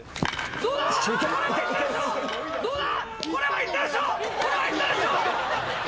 どうだ？